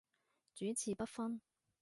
主次不分